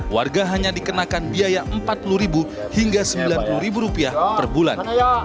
warga hanya dikenakan biaya empat puluh ribu hingga sembilan puluh ribu rupiah per bulan